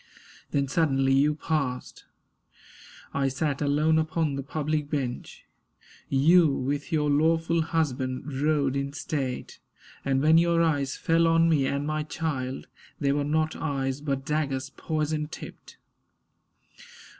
Then suddenly you passed. I sat alone upon the public bench; You, with your lawful husband, rode in state; And when your eyes fell on me and my child, They were not eyes, but daggers, poison tipped.